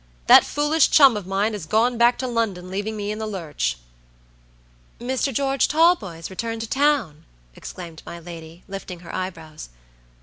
"That foolish chum of mine has gone back to London leaving me in the lurch." "Mr. George Talboys returned to town?" exclaimed my lady, lifting her eyebrows.